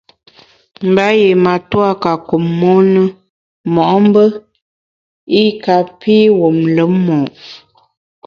Mba yié matua ka kum mon na mo’mbe i kapi wum lùm mo’.